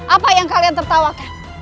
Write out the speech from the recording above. apa yang kalian tertawakan